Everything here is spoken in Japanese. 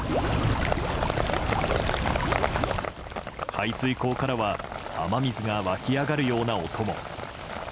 排水溝からは雨水が湧き上がるような音も。